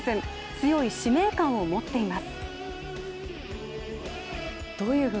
強い使命感を持っています。